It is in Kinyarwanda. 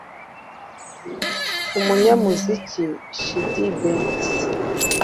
umunyamuziki Chidi Benz